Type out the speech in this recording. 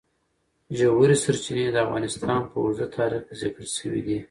ژورې سرچینې د افغانستان په اوږده تاریخ کې ذکر شوی دی.